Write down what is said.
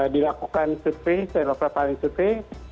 dilakukan survei saya adalah prevalent survei